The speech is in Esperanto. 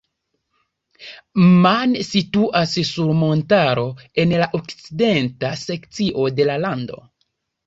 Man situas sur montaro en la okcidenta sekcio de la lando.